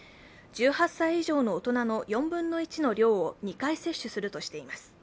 １８歳以上の大人の４分の１の量を２回接種するとしています。